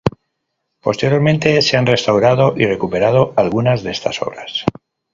Posteriormente se han restaurado y recuperado algunas de estas obras.